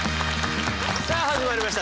さあ始まりました